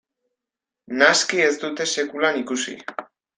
Naski ez dute sekulan ikusi.